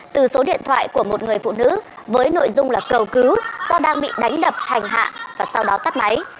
từ số điện thoại của một người phụ nữ với nội dung là cầu cứu do đang bị đánh đập hành hạ và sau đó tắt máy